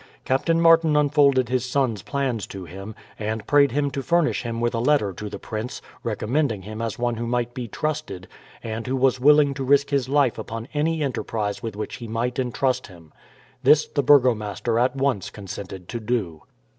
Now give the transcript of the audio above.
Captain Martin unfolded his son's plans to him, and prayed him to furnish him with a letter to the prince recommending him as one who might be trusted, and who was willing to risk his life upon any enterprise with which he might intrust him. This the burgomaster at once consented to do.